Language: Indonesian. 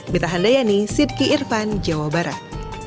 mitahan dayani sidky irvan jawa barat